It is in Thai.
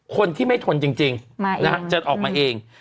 คนที่ไม่ทนจริงจะออกมาเอง